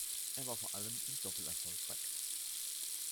Er war vor allem im Doppel erfolgreich.